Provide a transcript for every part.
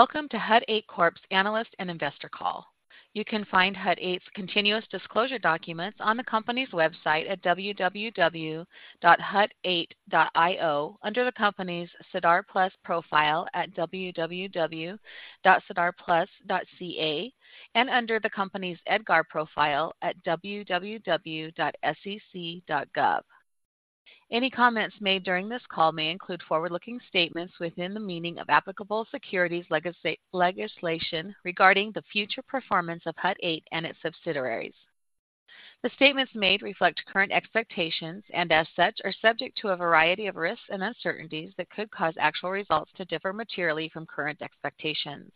Welcome to Hut 8 Corp's analyst and investor call. You can find Hut 8's continuous disclosure documents on the company's website at www.hut8.io under the company's SEDAR+ profile at www.sedarplus.ca, and under the company's EDGAR profile at www.sec.gov. Any comments made during this call may include forward-looking statements within the meaning of applicable securities legislation regarding the future performance of Hut 8 and its subsidiaries. The statements made reflect current expectations and, as such, are subject to a variety of risks and uncertainties that could cause actual results to differ materially from current expectations.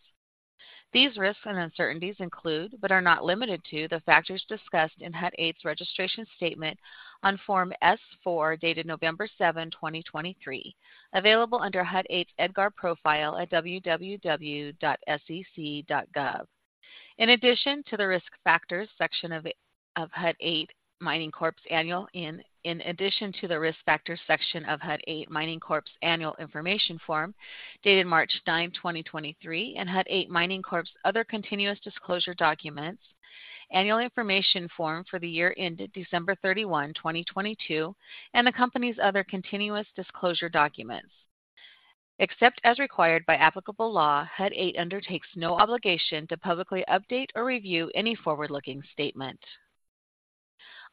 These risks and uncertainties include, but are not limited to, the factors discussed in Hut 8's registration statement on Form S-4, dated November 7, 2023, available under Hut 8's EDGAR profile at www.sec.gov. In addition to the Risk Factors section of Hut 8 Mining Corp's Annual... In addition to the Risk Factors section of Hut 8 Mining Corp's Annual Information Form, dated March 9, 2023, and Hut 8 Mining Corp's other continuous disclosure documents, Annual Information Form for the year ended December 31, 2022, and the company's other continuous disclosure documents. Except as required by applicable law, Hut 8 undertakes no obligation to publicly update or review any forward-looking statement.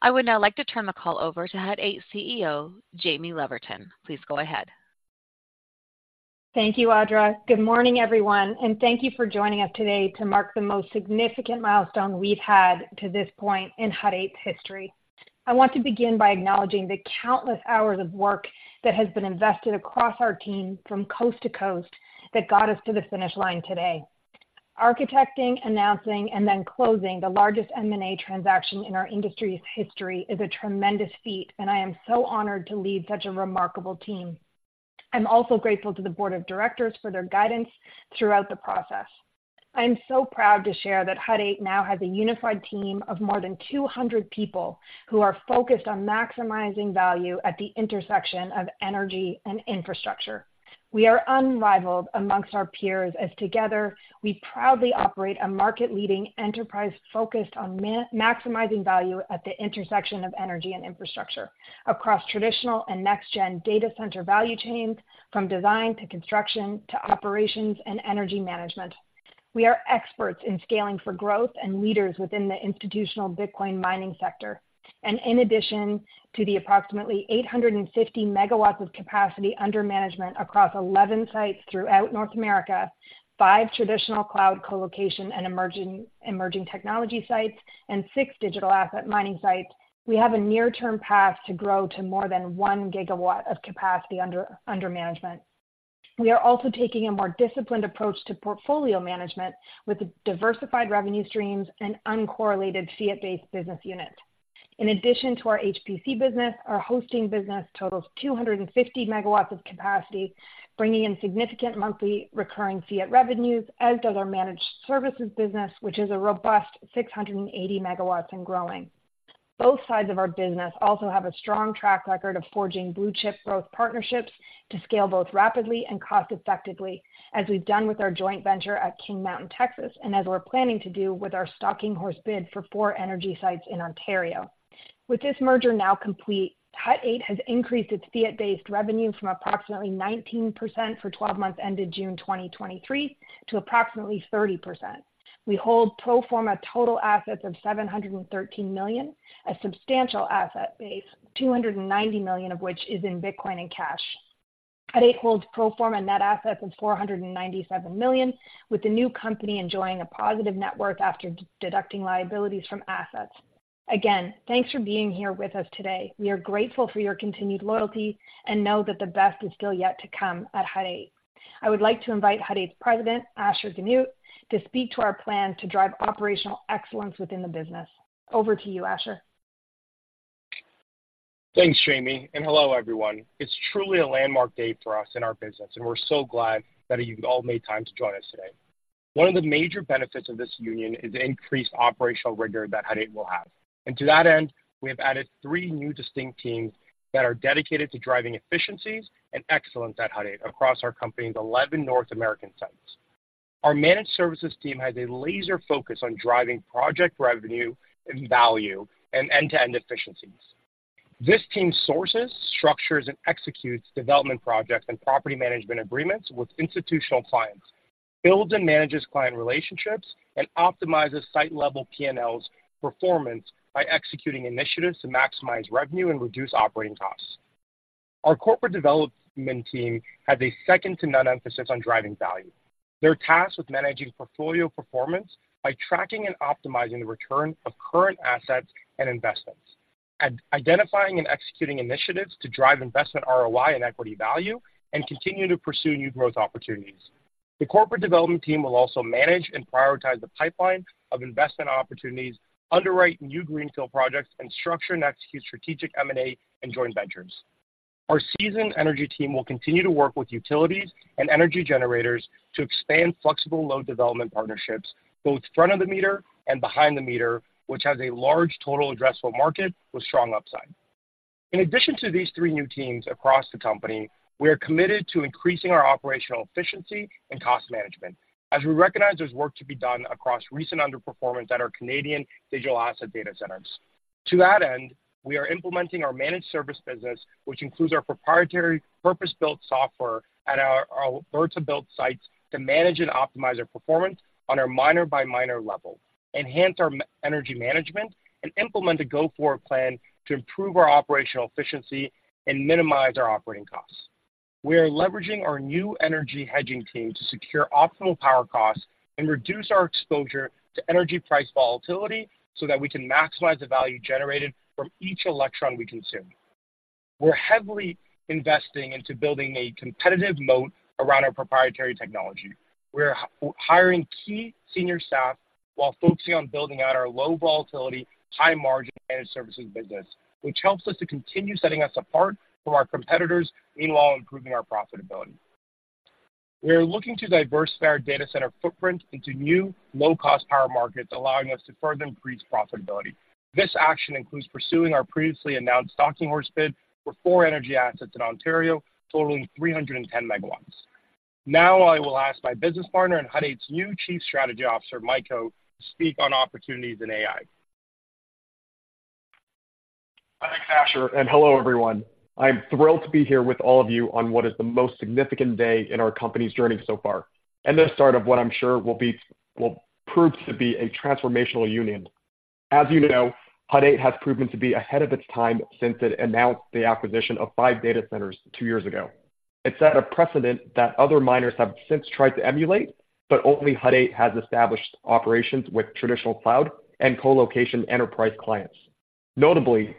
I would now like to turn the call over to Hut 8 CEO, Jaime Leverton. Please go ahead. Thank you, Audra. Good morning, everyone, and thank you for joining us today to mark the most significant milestone we've had to this point in Hut 8's history. I want to begin by acknowledging the countless hours of work that has been invested across our team from coast to coast that got us to the finish line today. Architecting, announcing, and then closing the largest M&A transaction in our industry's history is a tremendous feat, and I am so honored to lead such a remarkable team. I'm also grateful to the board of directors for their guidance throughout the process. I am so proud to share that Hut 8 now has a unified team of more than 200 people who are focused on maximizing value at the intersection of energy and infrastructure. We are unrivaled amongst our peers, as together, we proudly operate a market-leading enterprise focused on maximizing value at the intersection of energy and infrastructure. Across traditional and next-gen data center value chains, from design to construction to operations and energy management. We are experts in scaling for growth and leaders within the institutional Bitcoin mining sector. In addition to the approximately 850 MW of capacity under management across 11 sites throughout North America, five traditional cloud colocation and emerging technology sites, and six digital asset mining sites, we have a near-term path to grow to more than 1 GW of capacity under management. We are also taking a more disciplined approach to portfolio management with diversified revenue streams and uncorrelated fiat-based business units. In addition to our HPC business, our hosting business totals 250 MW of capacity, bringing in significant monthly recurring fiat revenues, as does our managed services business, which is a robust 680 MW and growing. Both sides of our business also have a strong track record of forging blue-chip growth partnerships to scale both rapidly and cost-effectively, as we've done with our joint venture at King Mountain, Texas, and as we're planning to do with our stalking horse bid for four energy sites in Ontario. With this merger now complete, Hut 8 has increased its fiat-based revenue from approximately 19% for 12 months, ended June 2023, to approximately 30%. We hold pro forma total assets of $713 million, a substantial asset base, $290 million of which is in Bitcoin and cash. Hut 8 holds pro forma net assets of $497 million, with the new company enjoying a positive net worth after deducting liabilities from assets. Again, thanks for being here with us today. We are grateful for your continued loyalty and know that the best is still yet to come at Hut 8. I would like to invite Hut 8's President, Asher Genoot, to speak to our plan to drive operational excellence within the business. Over to you, Asher. Thanks, Jaime, and hello, everyone. It's truly a landmark day for us in our business, and we're so glad that you've all made time to join us today. One of the major benefits of this union is the increased operational rigor that Hut 8 will have. To that end, we have added 3 new distinct teams that are dedicated to driving efficiencies and excellence at Hut 8 across our company's 11 North American sites. Our managed services team has a laser focus on driving project revenue and value and end-to-end efficiencies. This team sources, structures, and executes development projects and property management agreements with institutional clients, builds and manages client relationships, and optimizes site-level P&L's performance by executing initiatives to maximize revenue and reduce operating costs. Our corporate development team has a second-to-none emphasis on driving value. They're tasked with managing portfolio performance by tracking and optimizing the return of current assets and investments, identifying and executing initiatives to drive investment ROI and equity value, and continuing to pursue new growth opportunities. The corporate development team will also manage and prioritize the pipeline of investment opportunities, underwrite new greenfield projects, and structure and execute strategic M&A and joint ventures. Our seasoned energy team will continue to work with utilities and energy generators to expand flexible load development partnerships, both front of the meter and behind the meter, which has a large total addressable market with strong upside. In addition to these three new teams across the company, we are committed to increasing our operational efficiency and cost management as we recognize there's work to be done across recent underperformance at our Canadian digital asset data centers. To that end, we are implementing our managed service business, which includes our proprietary purpose-built software at our vertical built sites to manage and optimize our performance on our miner by miner level, enhance our energy management, and implement a go-forward plan to improve our operational efficiency and minimize our operating costs. We are leveraging our new energy hedging team to secure optimal power costs and reduce our exposure to energy price volatility so that we can maximize the value generated from each electron we consume. We're heavily investing into building a competitive moat around our proprietary technology. We're hiring key senior staff while focusing on building out our low volatility, high margin managed services business, which helps us to continue setting us apart from our competitors, meanwhile, improving our profitability. We are looking to diversify our data center footprint into new, low-cost power markets, allowing us to further increase profitability. This action includes pursuing our previously announced Stalking Horse bid for four energy assets in Ontario, totaling 310 MW. Now I will ask my business partner and Hut 8's new Chief Strategy Officer, Mike Ho, to speak on opportunities in AI. Thanks, Asher, and hello, everyone. I'm thrilled to be here with all of you on what is the most significant day in our company's journey so far, and the start of what I'm sure will be, will prove to be a transformational union. As you know, Hut 8 has proven to be ahead of its time since it announced the acquisition of five data centers two years ago. It set a precedent that other miners have since tried to emulate, but only Hut 8 has established operations with traditional cloud and colocation enterprise clients. Notably,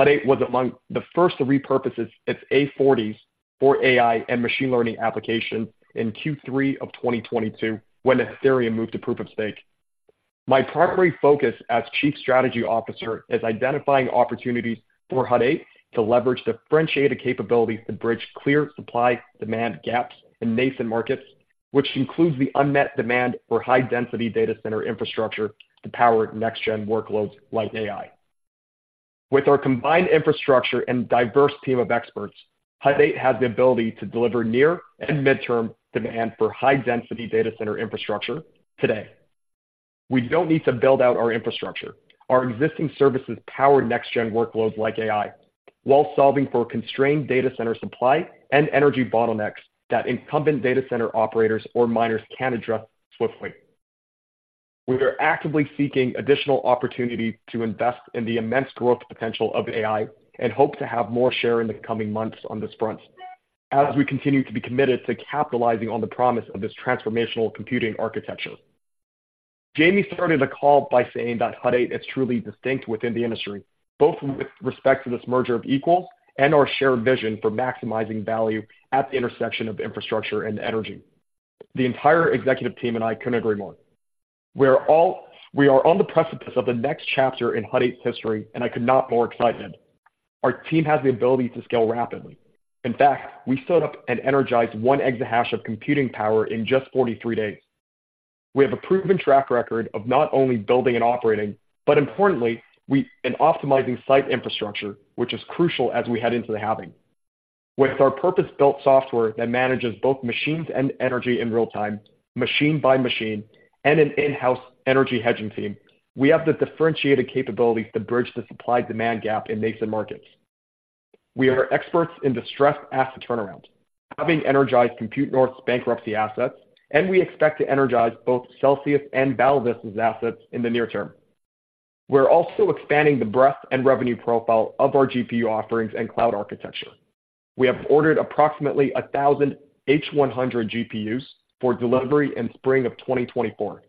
Hut 8 was among the first to repurpose its A40s for AI and machine learning applications in Q3 of 2022, when Ethereum moved to proof of stake. My primary focus as Chief Strategy Officer is identifying opportunities for Hut 8 to leverage differentiated capabilities to bridge clear supply-demand gaps in nascent markets, which includes the unmet demand for high-density data center infrastructure to power next-gen workloads like AI. With our combined infrastructure and diverse team of experts, Hut 8 has the ability to deliver near and midterm demand for high-density data center infrastructure today. We don't need to build out our infrastructure. Our existing services power next-gen workloads like AI, while solving for constrained data center supply and energy bottlenecks that incumbent data center operators or miners can address swiftly. We are actively seeking additional opportunities to invest in the immense growth potential of AI and hope to have more share in the coming months on this front, as we continue to be committed to capitalizing on the promise of this transformational computing architecture. Jaime started the call by saying that Hut 8 is truly distinct within the industry, both with respect to this merger of equals and our shared vision for maximizing value at the intersection of infrastructure and energy. The entire executive team and I couldn't agree more. We are on the precipice of the next chapter in Hut 8's history, and I could not be more excited. Our team has the ability to scale rapidly. In fact, we stood up and energized 1 exahash of computing power in just 43 days. We have a proven track record of not only building and operating, but importantly, we... in optimizing site infrastructure, which is crucial as we head into the halving. With our purpose-built software that manages both machines and energy in real time, machine by machine, and an in-house energy hedging team, we have the differentiated capabilities to bridge the supply-demand gap in nascent markets. We are experts in distressed asset turnaround, having energized Compute North's bankruptcy assets, and we expect to energize both Celsius and Validus' assets in the near term. We're also expanding the breadth and revenue profile of our GPU offerings and cloud architecture. We have ordered approximately 1,000 H100 GPUs for delivery in spring of 2024.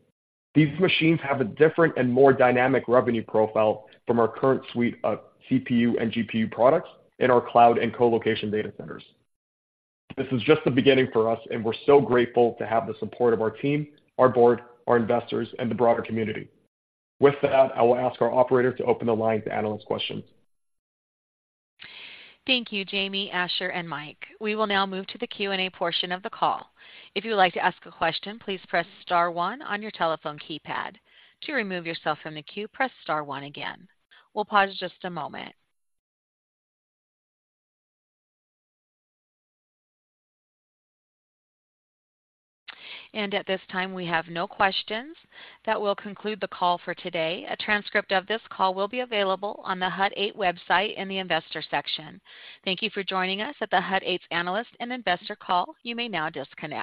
These machines have a different and more dynamic revenue profile from our current suite of CPU and GPU products in our cloud and colocation data centers. This is just the beginning for us, and we're so grateful to have the support of our team, our board, our investors, and the broader community. With that, I will ask our operator to open the line to analyst questions. Thank you, Jaime, Asher, and Mike. We will now move to the Q&A portion of the call. If you would like to ask a question, please press star one on your telephone keypad. To remove yourself from the queue, press star one again. We'll pause just a moment. At this time, we have no questions. That will conclude the call for today. A transcript of this call will be available on the Hut 8 website in the investor section. Thank you for joining us at the Hut 8's Analyst and Investor Call. You may now disconnect.